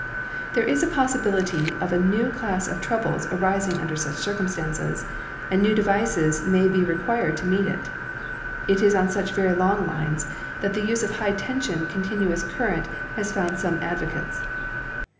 There is a possibility of a new class of troubles arising under such circumstances, and new devices may be re quired to meet it. It is on such very long lines that the use of high tension continuous current has found some advocates.